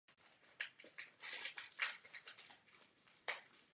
Podmínkou užití tohoto systému je průkaz stability směsi daný výrobcem.